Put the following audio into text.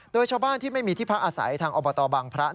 โดยชาวบ้านที่ไม่มีที่พักอาศัยทางอบตบางพระ